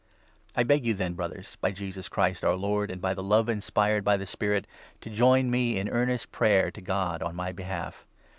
I beg you, then, Brothers, by Jesus Christ, our Lord, and by 30 the love inspired by the Spirit, to join me in earnest prayer to God on my behalf.